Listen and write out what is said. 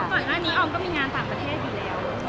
อเรนนี่โอ้มก็มีงานต่างประเทศดีแล้ว